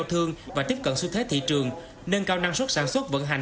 thương và tiếp cận xu thế thị trường nâng cao năng suất sản xuất vận hành